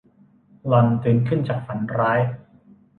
หล่อนตื่นขึ้นจากฝันร้าย